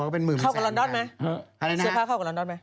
ก็เป็นมือมิว่าอร่างการค่ะเสื้อผ้าเข้ากับลอนดอนไหม